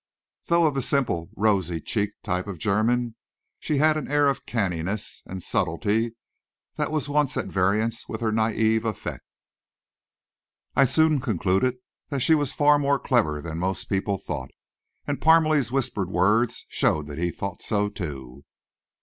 Though of the simple, rosy cheeked type of German, she had an air of canniness and subtlety that was at variance with her naive effect. I soon concluded she was far more clever than most people thought, and Parmalee's whispered words showed that he thought so too.